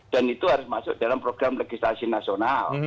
dan itu harus masuk dalam program legislasi nasional